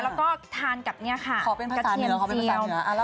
แล้วก็ทานกับเนี่ยค่ะขอเป็นกระเทียมเจียว